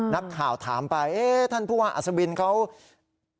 นักข่าวถามไปท่านผู้ว่าอสวินเขาพูดมาแบบนี้